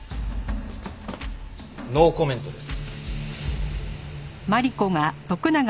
ノーコメントです。